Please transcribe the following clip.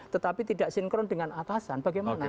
tetapi tidak sinkron dengan atasan bagaimana